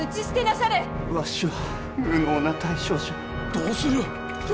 どうすると！？